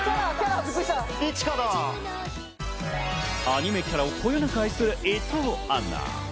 アニメキャラをこよなく愛する伊藤アナ。